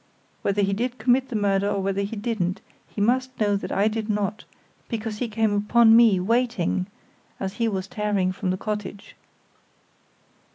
Whether he did commit the murder, or whether he didn't, he must know that I did not, because he came upon me, waiting, as he was tearing from the cottage."